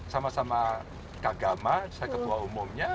sama sama kagama saya ketua umumnya